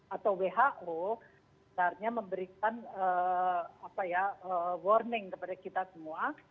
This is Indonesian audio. atau who seharusnya memberikan warning kepada kita semua